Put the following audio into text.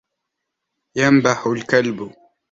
يَنْبَحُ الْكَلْبُ.